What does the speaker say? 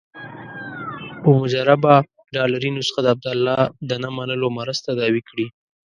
په مجربه ډالري نسخه د عبدالله د نه منلو مرض تداوي کړي.